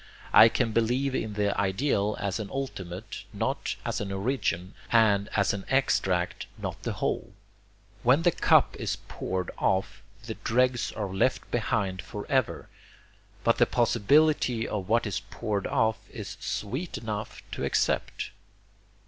I can believe in the ideal as an ultimate, not as an origin, and as an extract, not the whole. When the cup is poured off, the dregs are left behind forever, but the possibility of what is poured off is sweet enough to accept.